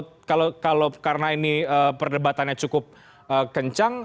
tapi kalau karena ini perdebatannya cukup kencang